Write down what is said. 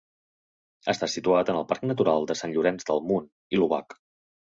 Està situat en el Parc Natural de Sant Llorenç del Munt i l'Obac.